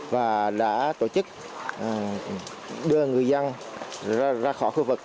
và đã tổ chức đưa người dân ra khỏi khu vực